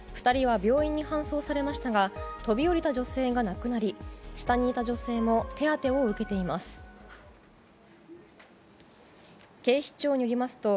２人は病院に搬送されましたが飛び降りた女性が亡くなり下にいた女性も手当てを受けています。